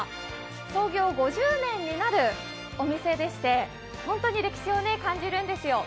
創業５０年になるお店でして本当に歴史を感じるんですよ。